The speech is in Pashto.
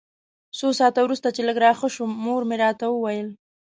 څو ساعته وروسته چې لږ راښه شوم مور مې راته وویل.